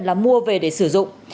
là mua về để sử dụng